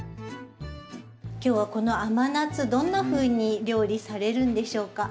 今日はこの甘夏どんなふうに料理されるんでしょうか？